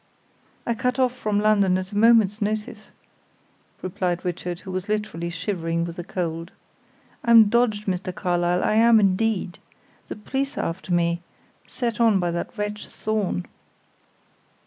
"I cut off from London at a moment's notice," replied Richard, who was literally shivering with the cold. "I'm dodged, Mr. Carlyle, I am indeed. The police are after me, set on by that wretch Thorn."